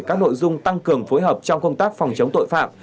các nội dung tăng cường phối hợp trong công tác phòng chống tội phạm